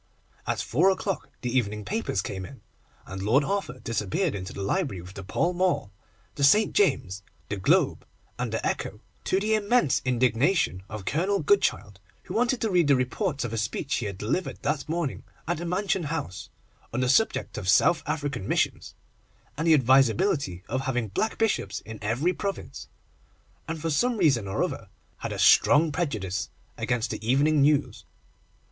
At four o'clock the evening papers came in, and Lord Arthur disappeared into the library with the Pall Mall, the St. James's, the Globe, and the Echo, to the immense indignation of Colonel Goodchild, who wanted to read the reports of a speech he had delivered that morning at the Mansion House, on the subject of South African Missions, and the advisability of having black Bishops in every province, and for some reason or other had a strong prejudice against the Evening News.